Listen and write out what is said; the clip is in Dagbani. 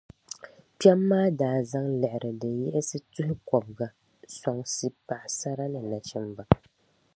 Kpem maa daa zaŋ liɣiri din yiɣisi tuhi kobiga soŋsi pagisara ni nachimba.